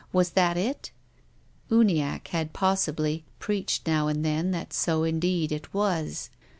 Was that it ? Uniacke had, pos sibly, preached now and then that so indeed it was.